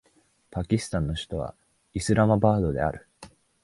パキスタンの首都はイスラマバードである